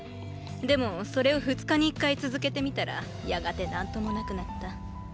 でもそれを二日に一回続けてみたらやがて何ともなくなった。